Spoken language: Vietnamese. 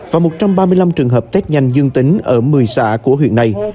và một trăm ba mươi năm trường hợp test nhanh dương tính ở một mươi xã của huyện này